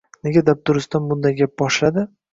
Nega dabdurustdan bunday gap boshladi?